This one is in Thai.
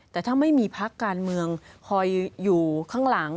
แต่ถ้าไม่มีพักการเมืองคอยอยู่ข้างหลัง